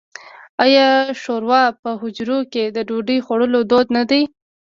آیا شوروا په حجرو کې د ډوډۍ خوړلو دود نه دی؟